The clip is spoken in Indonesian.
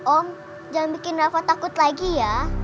om jangan bikin nafa takut lagi ya